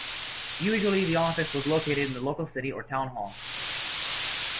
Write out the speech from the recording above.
Usually, the office was located in the local city or town hall.